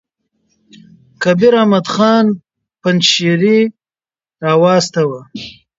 کبیر احمد خان پنجشېري را واستاوه.